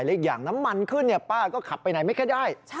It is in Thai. อีกอย่างน้ำมันขึ้นป้าก็ขับไปไหนไม่ค่อยได้